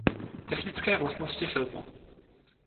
Technické vlastnosti filmu.